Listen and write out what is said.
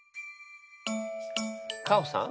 カホさん